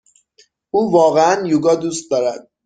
او واقعا یوگا دوست دارد.